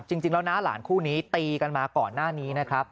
จริงแล้วน้าหลานคู่นี้ตีกันมาก่อนหน้านี้นะครับ